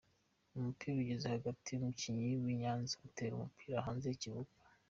Umupira ugeze hagati umukinnyi w’i Nyanza atera umupira hanze y’ikibuga.